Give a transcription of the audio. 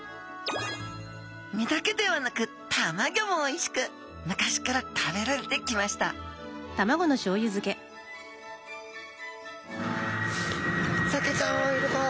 身だけではなくたまギョもおいしく昔から食べられてきましたサケちゃんはいるか？